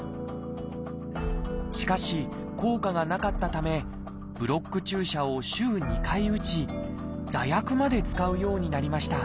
しかし効果がなかったためブロック注射を週２回打ち座薬まで使うようになりました。